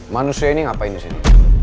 manusia ini ngapain disini